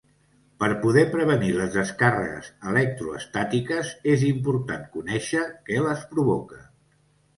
Per poder prevenir les descàrregues electroestàtiques, és important conèixer què les provoca.